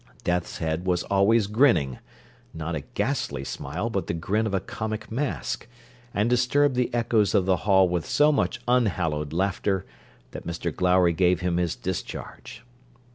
Deathshead was always grinning, not a ghastly smile, but the grin of a comic mask; and disturbed the echoes of the hall with so much unhallowed laughter, that Mr Glowry gave him his discharge.